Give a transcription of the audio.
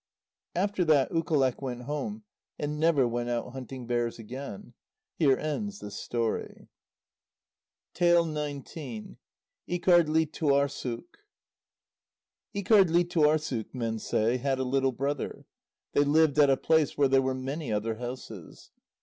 After that Ukaleq went home, and never went out hunting bears again. Here ends this story. ÍKARDLÍTUARSSUK Íkardlítuarssuk, men say, had a little brother; they lived at a place where there were many other houses.